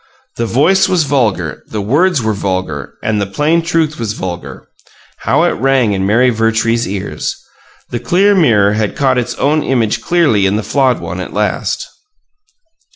The voice was vulgar, the words were vulgar and the plain truth was vulgar! How it rang in Mary Vertrees's ears! The clear mirror had caught its own image clearly in the flawed one at last.